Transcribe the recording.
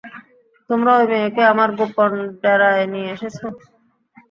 তোমরা ওই মেয়েকে আমার গোপন ডেরায় নিয়ে এসেছো।